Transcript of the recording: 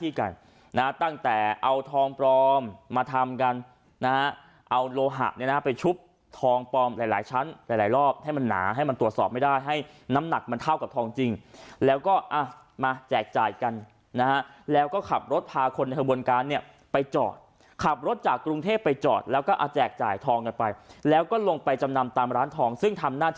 ที่กันนะตั้งแต่เอาทองปลอมมาทำกันนะฮะเอาโลหะเนี่ยนะไปชุบทองปลอมหลายหลายชั้นหลายหลายรอบให้มันหนาให้มันตรวจสอบไม่ได้ให้น้ำหนักมันเท่ากับทองจริงแล้วก็อ่ะมาแจกจ่ายกันนะฮะแล้วก็ขับรถพาคนในขบวนการเนี่ยไปจอดขับรถจากกรุงเทพไปจอดแล้วก็เอาแจกจ่ายทองกันไปแล้วก็ลงไปจำนำตามร้านทองซึ่งทำหน้า